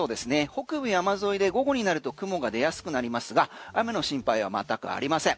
北部山沿いで午後になると雲が出やすくなりますが雨の心配は全くありません。